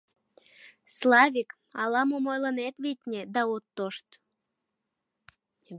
— Славик, ала-мом ойлынет, витне, да от тошт.